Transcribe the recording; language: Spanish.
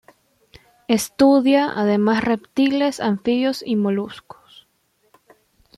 Estudia además reptiles, anfibios y moluscos.